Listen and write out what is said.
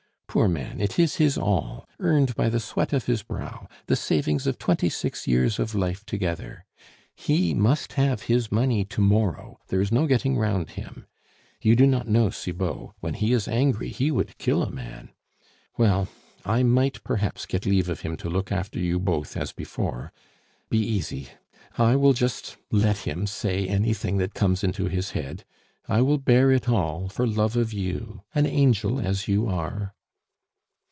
Poor man, it is his all, earned by the sweat of his brow, the savings of twenty six years of life together. He must have his money to morrow; there is no getting round him. You do not know Cibot; when he is angry he would kill a man. Well, I might perhaps get leave of him to look after you both as before. Be easy. I will just let him say anything that comes into his head. I will bear it all for love of you, an angel as you are."